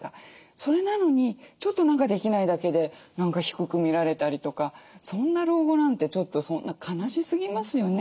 それなのにちょっと何かできないだけで何か低く見られたりとかそんな老後なんてちょっとそんな悲しすぎますよね。